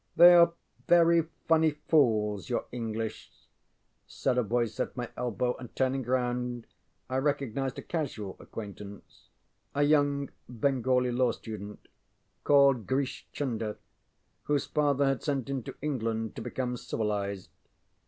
ŌĆ£They are very funny fools, your English, ŌĆØ said a voice at my elbow, and turning round I recognized a casual acquaintance, a young Bengali law student, called Grish Chunder, whose father had sent him to England to become civilized.